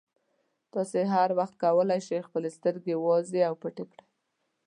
تاسې هر وخت کولای شئ خپلې سترګې وازې او پټې کړئ.